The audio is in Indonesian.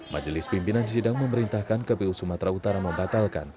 majelis pimpinan sidang memerintahkan kpu sumatera utara membatalkan